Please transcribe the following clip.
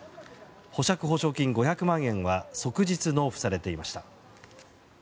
保釈保証金５００万円は即日納付されていました。